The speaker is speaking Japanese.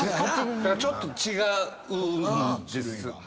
ちょっと違うんです。